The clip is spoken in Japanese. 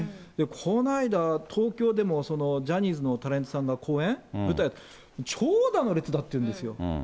この間、東京でもジャニーズのタレントさんの公演、舞台、長蛇の列だっていうんですよ。